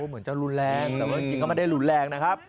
เหมือนจะรุนแรงแต่ว่าจริงก็ไม่ได้รุนแรงนะครับ